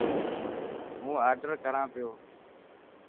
هون آڊر ڪران پيو.